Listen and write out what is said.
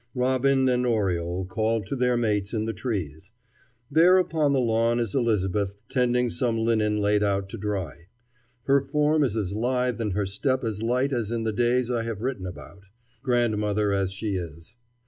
Robin and oriole call to their mates in the trees. There upon the lawn is Elisabeth tending some linen laid out to dry. Her form is as lithe and her step as light as in the days I have written about, grandmother as she is.